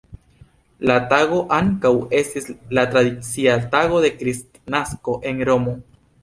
La tago ankaŭ estis la tradicia tago de Kristnasko en Romo.